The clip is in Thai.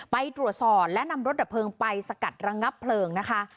ไปตรวจสอบและนำรถดับเพลิงไปสกัดระงับเพลิงนะคะ